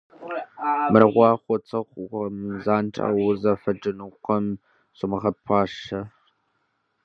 Мыр Ӏуэху цӀыкӀукъым, занщӀэу зэфӀэкӀынукъым, сумыгъэпӀащӀэ.